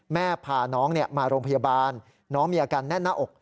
พาน้องมาโรงพยาบาลน้องมีอาการแน่นหน้าอก